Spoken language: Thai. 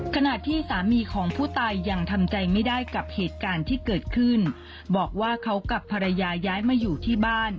ขณะที่สามีของผู้ตายยังทำใจไม่ได้กับเหตุการณ์ที่เกิดขึ้นบอกว่าเขากับภรรยาย้ายมาอยู่ที่บ้าน